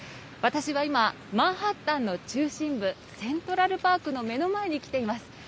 私は今、マンハッタンの中心部、セントラル・パークの目の前に来ています。